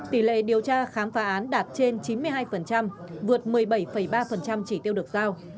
tỷ lệ điều tra khám phá án đạt trên chín mươi hai vượt một mươi bảy ba chỉ tiêu được giao